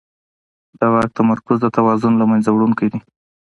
د واک تمرکز د توازن له منځه وړونکی دی